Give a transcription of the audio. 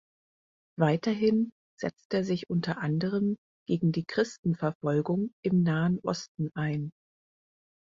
Weiterhin setzt er sich unter anderem gegen die Christenverfolgung im Nahen Osten ein.